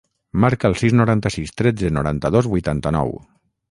Marca el sis, noranta-sis, tretze, noranta-dos, vuitanta-nou.